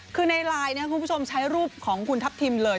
คือในไลน์นะครับคุณผู้ชมใช้รูปของคุณทัพทิมเลย